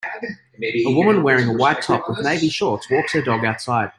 A woman wearing a white top with navy shorts walks her dog outside.